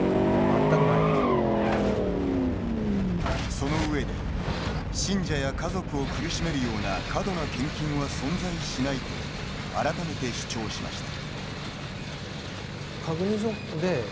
そのうえで信者や家族を苦しめるような過度な献金は存在しないと改めて主張しました。